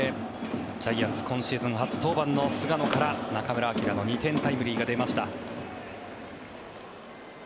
ジャイアンツ今シーズン初登板の菅野から中村晃の２点タイムリーが出ました。